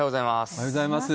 おはようございます。